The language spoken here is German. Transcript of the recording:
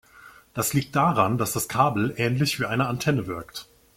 Das liegt daran, dass das Kabel ähnlich wie eine Antenne wirkt.